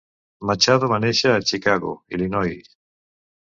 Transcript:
Machado va néixer a Chicago, Illinois.